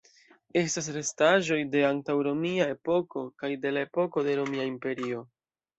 Estas restaĵoj de antaŭromia epoko kaj de la epoko de Romia Imperio.